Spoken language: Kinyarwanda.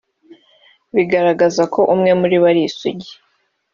bigaragaza ko umwe muri bo ari isugi